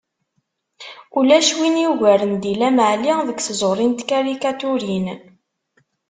Ulac win yugaren Dilem Ɛli deg tẓuri n tkarikaturin.